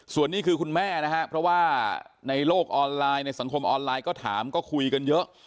ส่วนนี้คือคุณแม่นะครับเพราะว่าในโลกออนไลน์ในสังคมออนไลน์ก็ถามก็คุยกันเยอะ